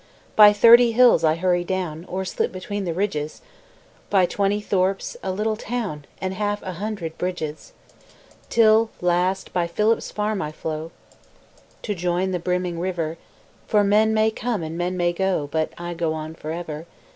By thirty hills I hurry down, Or slip between the ridges, By twenty thorps, a little town, And half a hundred bridges. Till last by Philip's farm I flow To join the brimming river, For men may come and men may go, But I go on for ever.